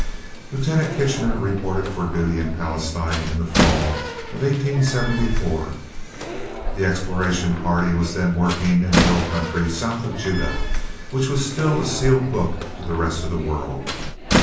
Lieutenant Kitchener reported for duty in Palestine, in the Fall of 1874. The exploration party was then working in the hill country south of Judah, which was still a sealed book to the rest of the world.